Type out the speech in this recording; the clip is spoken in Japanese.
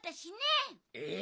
え！？